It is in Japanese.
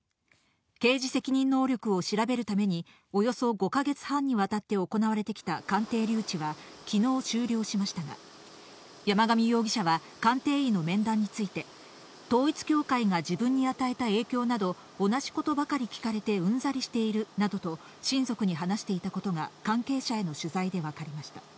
刑事責任能力を調べるために、およそ５か月半にわたって行われてきた鑑定留置はきのう終了しましたが、山上容疑者は鑑定医の面談について、統一教会が自分に与えた影響など、同じことばかり聞かれてうんざりしているなどと親族に話していたことが関係者への取材で分かりました。